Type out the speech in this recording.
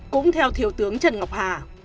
cũng theo thiếu tướng trần ngọc hà